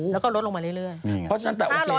แล้วก็ลดลงมาเรื่อย